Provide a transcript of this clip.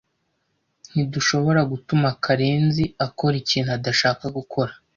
Ntidushobora gutuma Karenzi akora ikintu adashaka gukora.